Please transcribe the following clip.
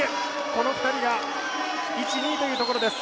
この２人が１、２というところです。